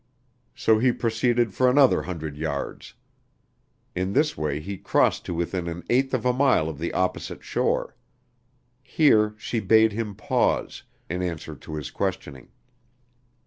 So he proceeded for another hundred yards. In this way he crossed to within an eighth of a mile of the opposite shore. Here she bade him pause, in answer to his questioning.